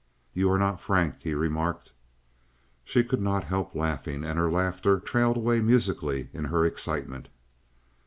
"You are not frank," he remarked. She could not help laughing, and her laughter trailed away musically in her excitement.